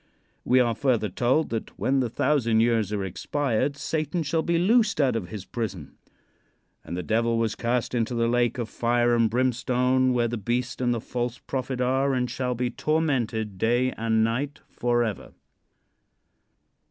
We are further told that "when the thousand years are expired Satan shall be loosed out of his prison." "And the Devil was cast into the lake of fire and brimstone where the beast and the false prophet are, and shall be tormented day and night forever."